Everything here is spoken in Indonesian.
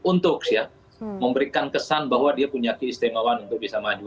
untuk memberikan kesan bahwa dia punya keistimewaan untuk bisa maju